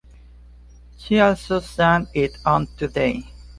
She also sang it on "Today".